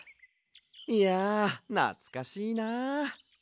いやなつかしいな。